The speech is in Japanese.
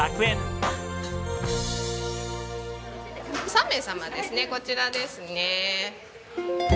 ３名様ですねこちらですね。